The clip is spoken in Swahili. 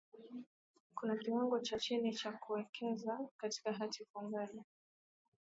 kuna kiwango cha chini cha kuwekeza katika hati fungani